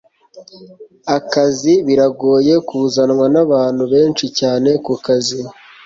akazi biragoye kuzanwa nabantu benshi cyane kukazi